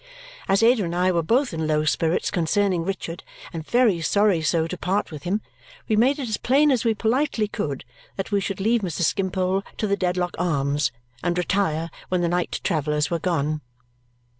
As Ada and I were both in low spirits concerning Richard and very sorry so to part with him, we made it as plain as we politely could that we should leave Mr. Skimpole to the Dedlock Arms and retire when the night travellers were gone.